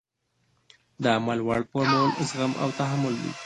د عمل وړ فورمول زغم او تحمل دی.